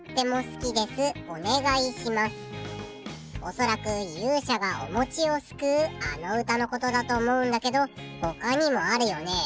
恐らく勇者がおもちを救うあの歌のことだと思うんだけどほかにもあるよね。